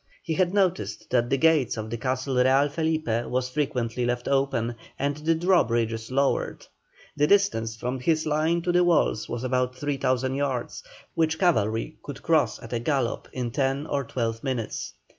He had noticed that the gates of the Castle Real Felipe were frequently left open, and the drawbridges lowered. The distance from his line to the walls was about 3,000 yards, which cavalry could cross at a gallop in ten or twelve minutes.